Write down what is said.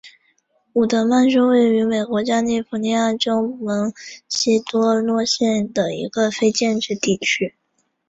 伍德曼是位于美国加利福尼亚州门多西诺县的一个非建制地区。